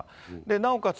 なおかつ